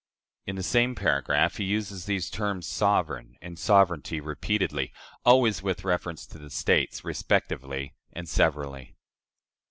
" In the same paragraph he uses these terms, "sovereign" and "sovereignty," repeatedly always with reference to the States, respectively and severally.